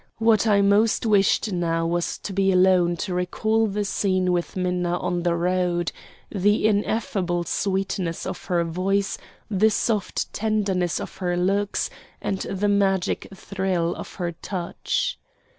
What I most wished now was to be alone to recall the scene with Minna on the road, the ineffable sweetness of her voice, the soft tenderness of her looks, and the magic thrill of her touch.